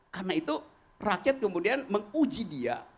karena itu rakyat kemudian menguji dia